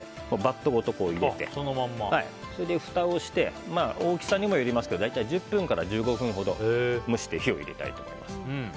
１ｃｍくらい、お湯いれてバットごとゆでて、ふたをして大きさにもよりますが大体１０分から１５分ほど蒸して、火を入れたいと思います。